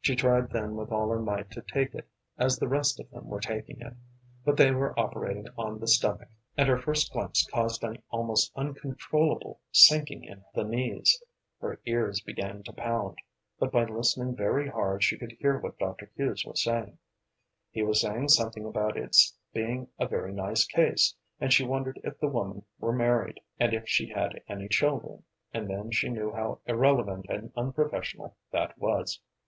She tried then with all her might to take it as the rest of them were taking it. But they were operating on the stomach, and her first glimpse caused an almost uncontrollable sinking in the knees. Her ears began to pound, but by listening very hard she could hear what Dr. Hughes was saying. He was saying something about its being a very nice case, and she wondered if the woman were married, and if she had any children, and then she knew how irrelevant and unprofessional that was.